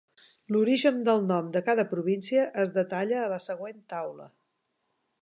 L'origen del nom de cada província es detalla a la següent taula.